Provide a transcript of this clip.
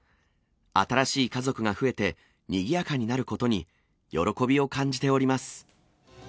新しい家族が増えて、にぎやかになることに喜びを感じております。